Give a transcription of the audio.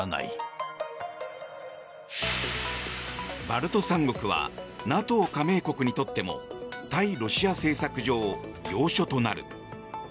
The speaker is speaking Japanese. バルト三国はＮＡＴＯ加盟国にとっても対ロシア政策上、要所となる。